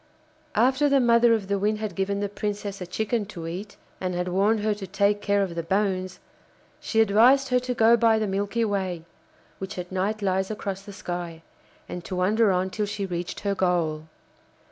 After the mother of the Wind had given the Princess a chicken to eat, and had warned her to take care of the bones, she advised her to go by the Milky Way, which at night lies across the sky, and to wander on till she reached her goal.